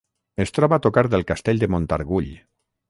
Es troba a tocar del Castell de Montargull.